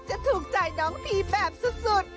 จะถูกใจน้องดีแบบสุด